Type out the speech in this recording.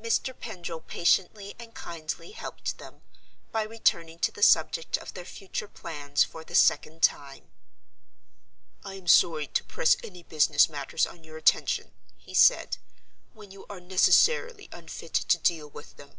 Mr. Pendril patiently and kindly helped them, by returning to the subject of their future plans for the second time. "I am sorry to press any business matters on your attention," he said, "when you are necessarily unfitted to deal with them.